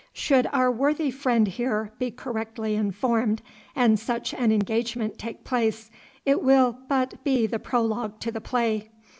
'Should our worthy friend here be correctly informed and such an engagement take place, it will but be the prologue to the play.